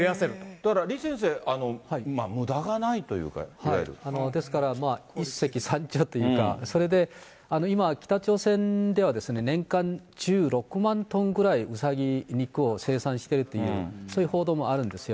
だから李先生、ですから、一石三鳥というか、それで今、北朝鮮では、年間１６万トンぐらいうさぎ肉を生産してるというそういう報道もあるんですよ。